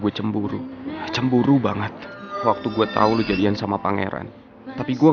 akhirnya lo bisa jadian sama pangeran